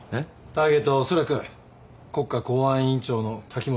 ターゲットはおそらく国家公安委員長の滝本健三だよ。